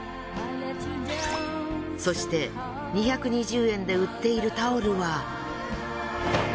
そして２２０円で売っているタオルは。